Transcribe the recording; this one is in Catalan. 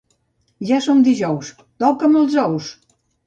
Ja som dijous, toca'm els ous!